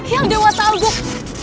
yang dewa talgut